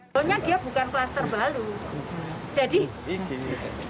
sebenarnya dia bukan kelas terbaru